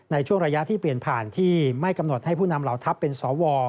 ในช่วงระยะที่เปลี่ยนผ่านที่ไม่กำหนดให้ผู้นำเหล่าทัพเป็นสว